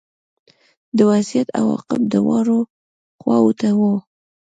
د وضعیت عواقب دواړو خواوو ته وو